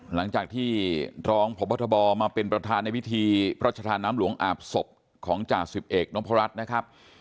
หลังจากที่รองพบทบมาเป็นประธานในพิธีพระชาธาน้ำหลวงอาบศพของจ่าสิบเอกนพรัชนะครับ